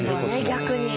逆に。